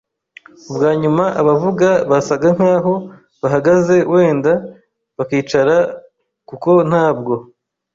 Ubwanyuma, abavuga basaga nkaho bahagaze wenda bakicara, kuko ntabwo